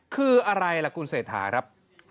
คืออะไรล่ะคุณเศรษฐาครับ